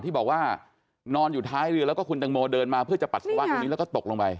ที่บอกว่านอนอยู่ท้ายเรือแล้วก็คุณตังโมเดินมาเพื่อจะปัสสาวะตรงนี้แล้วก็ตกลงไป